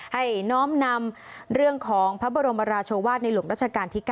น้อมนำเรื่องของพระบรมราชวาสในหลวงรัชกาลที่๙